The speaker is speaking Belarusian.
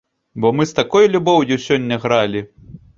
Бо мы з такой любоўю сёння гралі!